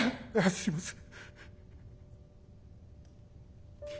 すいません。